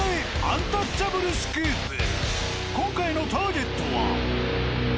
今回のターゲットは。